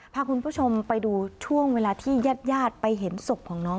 พาคุณผู้ชมไปดูช่วงเวลาที่ญาติญาติไปเห็นศพของน้อง